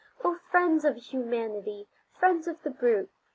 O friends of humanity! friends of the brute!